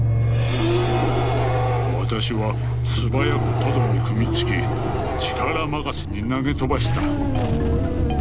「私は素早くトドに組み付き力任せに投げ飛ばした」。